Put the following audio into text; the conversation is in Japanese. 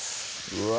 うわ